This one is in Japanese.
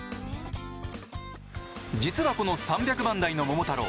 実はこの３００番代の「桃太郎」